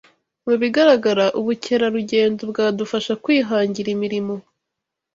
Mubigaragara ubukerarugendo bwadufasha kwihangira imirimo